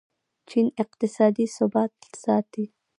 چین اقتصادي ثبات ساتي.